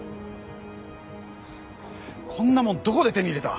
こんなもんどこで手に入れた⁉